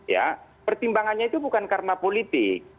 ya pertimbangannya itu bukan karena politik